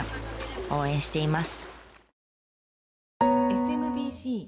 応援しています！